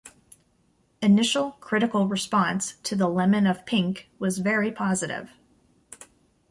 Initial critical response to "The Lemon of Pink" was very positive.